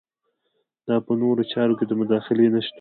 دا په نورو چارو کې د مداخلې نشتون دی.